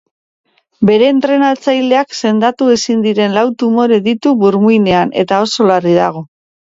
Bere entrenatzaileak sendatu ezin diren lau tumore ditu burmuinean eta oso larri dago.